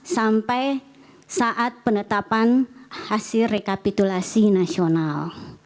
sampai saat penetapan hasil rekapitulasi nasional